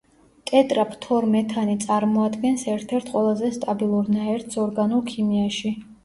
ტეტრაფთორმეთანი წარმოადგენს ერთ-ერთ ყველაზე სტაბილურ ნაერთს ორგანულ ქიმიაში.